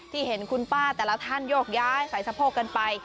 เห็นคุณป้าแต่ละท่านโยกย้ายใส่สะโพกกันไป